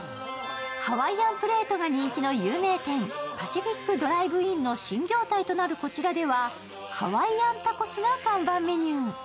ハワイアンプレートが人気のＰＡＣＩＦＩＣＤＲＩＶＥ−ＩＮの新業態となるこちらではハワイアンタコスが看板メニュー。